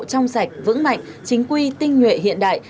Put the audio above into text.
trong sạch vững mạnh chính quy tinh nhuệ hiện đại